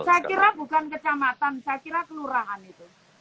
saya kira bukan kecamatan saya kira kelurahan itu